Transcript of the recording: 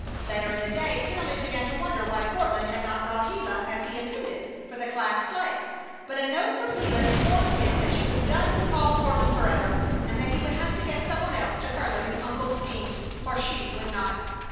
Later in the day Tennelly began to wonder why Courtland had not brought Gila, as he intended, for the class play, but a note from Gila informed him that she was done with Paul Courtland forever, and that he would have to get some one else to further his uncle's schemes, for she would not.